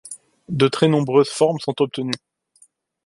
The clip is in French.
De très nombreuses formes sont obtenues.